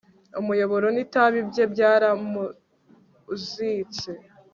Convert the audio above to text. umuyoboro n'itabi bye byaramuzitse